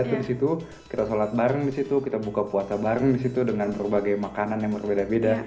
terus itu kita sholat bareng di situ kita buka puasa bareng di situ dengan berbagai makanan yang berbeda beda